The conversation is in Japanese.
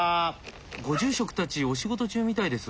ご住職たちお仕事中みたいです。